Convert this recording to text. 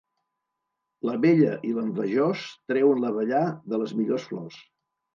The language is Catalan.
L'abella i l'envejós treuen l'abellar de les millors flors.